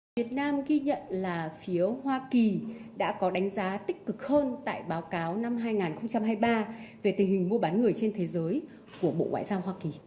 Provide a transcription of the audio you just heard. việt nam ghi nhận là phiếu hoa kỳ đã có đánh giá tích cực hơn tại báo cáo năm hai nghìn hai mươi ba về tình hình mua bán người trên thế giới của bộ ngoại giao hoa kỳ